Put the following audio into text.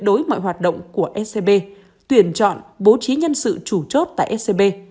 đối mọi hoạt động của scb tuyển chọn bố trí nhân sự chủ chốt tại scb